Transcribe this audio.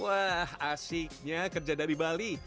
wah asiknya kerja dari bali